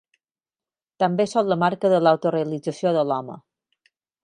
També són la marca de l'auto-realització de l'home.